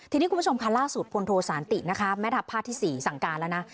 ทีนี้คุณผู้ชมค่ะล่าสุดพลโทสานตินะคะแม่ทัพภาคที่๔สั่งการแล้วนะ